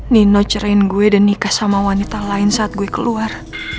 nino cerahin gue dan nikah sama wanita lain saat gue keluar